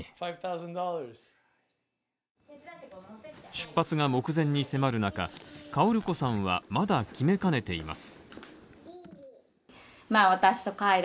出発が目前に迫る中、薫子さんは、まだ決めかねています。